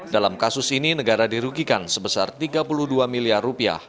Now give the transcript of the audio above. dalam kasus ini negara dirugikan sebesar rp tiga puluh dua miliar rupiah